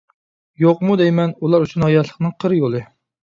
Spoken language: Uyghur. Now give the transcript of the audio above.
يوقمۇ دەيمەن ئۇلار ئۈچۈن ھاياتلىقنىڭ قىر يولى.